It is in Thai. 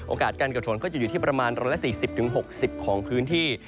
การเกิดฝนก็จะอยู่ที่ประมาณ๑๔๐๖๐ของพื้นที่